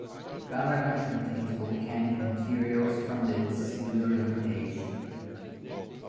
Garran contains volcanic materials from the Silurian Age.